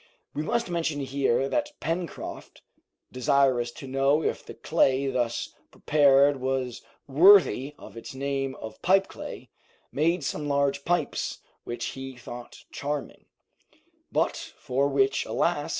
We must mention here that Pencroft, desirous to know if the clay thus prepared was worthy of its name of pipe clay, made some large pipes, which he thought charming, but for which, alas!